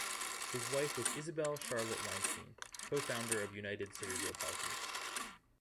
His wife was Isabelle Charlotte Weinstein, co-founder of United Cerebral Palsy.